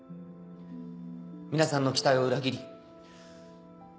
皆さんの期待を裏切り。